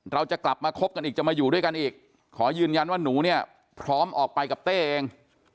เราจะกลับมาคบกันอีกจะมาอยู่ด้วยกันอีกขอยืนยันว่าหนูเนี่ยพร้อมออกไปกับเต้เอง